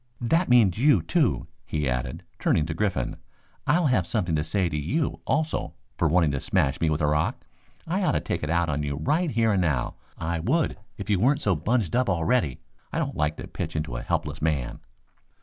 "That means you, too," he added, turning to Griffin. "I'll have something to say to you also for wanting to smash me with a rock. I ought to take it out of you right here and now. I would if you weren't so bunged up already. I don't like to pitch into a helpless man."